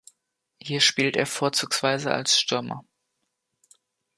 Hier spielt er vorzugsweise als Stürmer.